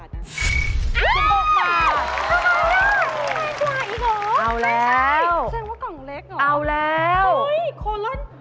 ทำไมล่ะแพงกว่าอีกหรอ